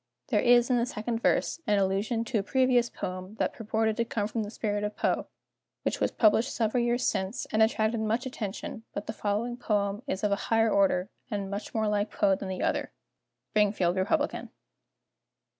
There is, in the second verse, an allusion to a previous poem that purported to come from the spirit of Poe, which was published several years since, and attracted much attention, but the following poem is of a higher order, and much more like Poe than the other." _Springfield Republican.